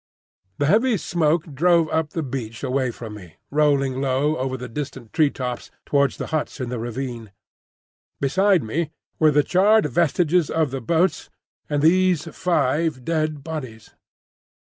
The heavy smoke drove up the beach away from me, rolling low over the distant tree tops towards the huts in the ravine. Beside me were the charred vestiges of the boats and these five dead bodies.